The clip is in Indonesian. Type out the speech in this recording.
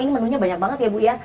ini menunya banyak banget ya bu ya